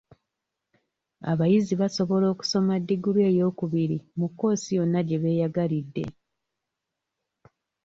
Abayizi basobola okusoma ddiguli eyookubiri mu kkoosi yonna gye beeyagalidde.